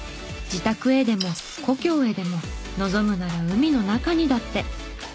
自宅へでも故郷へでも望むなら海の中にだって。